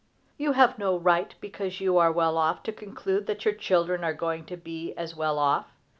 You have no right, because you are well off, to conclude that your children are going to be as well off.